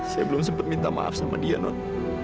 saya belum sempat minta maaf sama dia non